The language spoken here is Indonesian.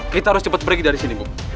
kita harus cepat pergi dari sini bu